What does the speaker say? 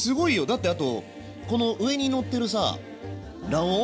だってあとこの上にのってるさあ卵黄。